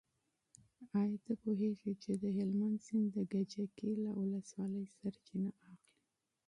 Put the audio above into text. ایا ته پوهېږې چې د هلمند سیند د کجکي له ولسوالۍ سرچینه اخلي؟